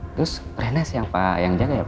terus rene siapa yang jaga ya pak